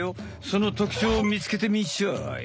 その特徴をみつけてみんしゃい！